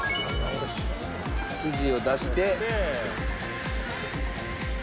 生地を出して。